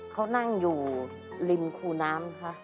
เขานั่งอยู่ริมคูน้ำค่ะ